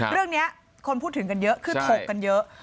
เรื่องนี้คนพูดถึงกันเยอะคือถกกันเยอะ